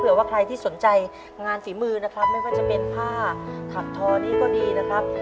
ว่าใครที่สนใจงานฝีมือนะครับไม่ว่าจะเป็นผ้าถักทอนี้ก็ดีนะครับ